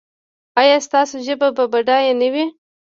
ایا ستاسو ژبه به بډایه نه وي؟